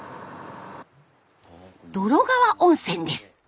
洞川温泉です。